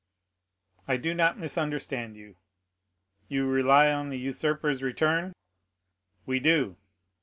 "I do not understand you." "You rely on the usurper's return?" "We do."